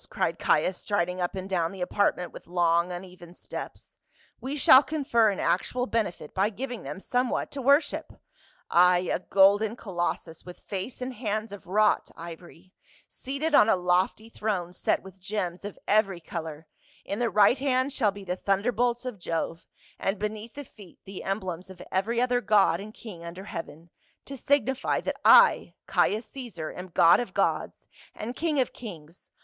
cried Caius, striding up and down the apartment with long uneven steps. " We shall confer an actual benefit by giving them somewhat to worship. Ay, a golden colossus with face and hands of wrought ivory, seated on a lofty throne set with gems of every color, in the right hand shall be the thunderbolts of Jove and beneath the feet the emblems of every other god and king under heaven, to signify that I, Caius Caesar, am god of gods, and king of kings.